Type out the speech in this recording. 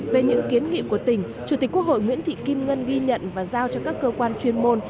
về những kiến nghị của tỉnh chủ tịch quốc hội nguyễn thị kim ngân ghi nhận và giao cho các cơ quan chuyên môn